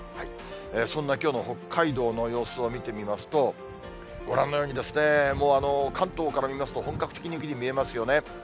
そんなきょうの北海道の様子を見てみますと、ご覧のように、関東から見ますと、本格的な雪に見えますよね。